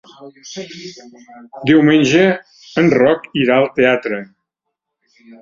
Diumenge en Roc irà al teatre.